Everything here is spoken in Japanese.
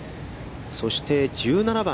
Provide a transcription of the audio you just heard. そして、１７番。